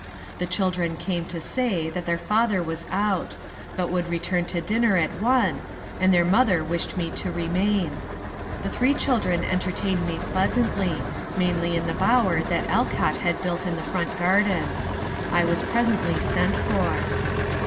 The children came to say that their father was out, but would return to dinner at one, and their mother wished me to remain. The three chil dren entertained me pleasantly, mainly in the bower that Al cott had built in the front garden. I was presently sent for.